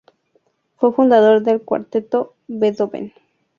Fue fundador del Cuarteto Beethoven.